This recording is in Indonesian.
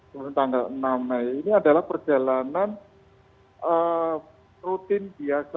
kemudian tanggal enam mei ini adalah perjalanan rutin biasa